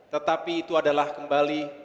tetapi itu adalah kembali